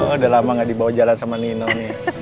udah lama gak dibawa jalan sama nino nih